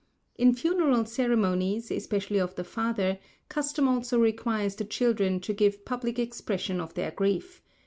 In funeral ceremonies, especially of the father, custom also requires the children to give public expression to their grief.